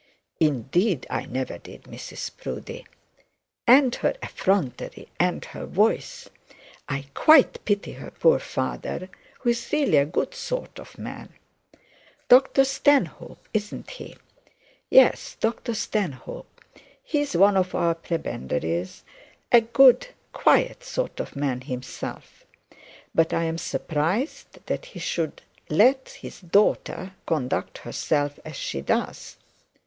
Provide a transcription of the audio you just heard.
'Indeed I never did, Mrs Proudie.' 'And her effrontery, and her voice; I quite pity her poor father, who is really a good sort of man.' 'Dr Stanhope, isn't he?' 'Yes, Dr Stanhope. He is one of our prebendaries, a good quiet sort of man himself. But I am surprised that he should let his daughter conduct herself as he does.'